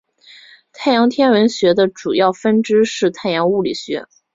太阳天文学的主要分支是太阳物理学。